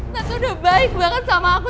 tapi udah baik banget sama aku